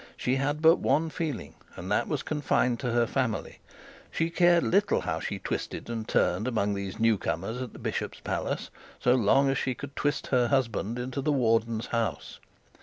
She had but one feeling, and that was confined to her family. She cared little how she twisted and turned among these new comers at the bishop's palace as long as she could twist her husband into the warden's house.